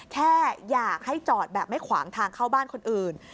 แค่อยากให้จอดแบบไม่ขวางทางเข้าบ้านคนอื่น